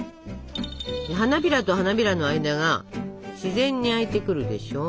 花びらと花びらの間が自然に開いてくるでしょ。